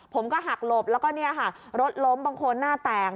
ผมก็หักหลบแล้วก็เนี่ยค่ะรถล้มบางคนหน้าแตก